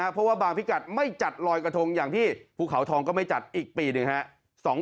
เพราะว่าบางพิกัดไม่จัดลอยกระทงอย่างที่ภูเขาทองก็ไม่จัดอีกปีหนึ่งครับ